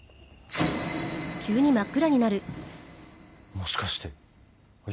もしかしていや